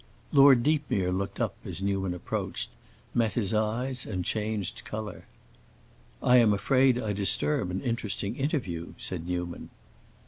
Lord Deepmere looked up as Newman approached, met his eyes, and changed color. "I am afraid I disturb an interesting interview," said Newman.